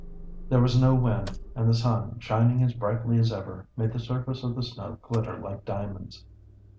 There was no wind, and the sun, shining as brightly as ever, made the surface of the snow glitter like diamonds.